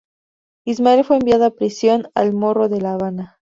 Ismael fue enviado a prisión, al Morro de La Habana.